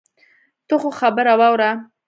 ته خو خبره واوره.